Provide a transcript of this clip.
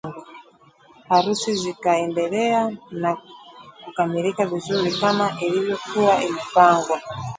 harusi zikaendelea na kukamilika vizuri kama ilivyokuwa imepangwa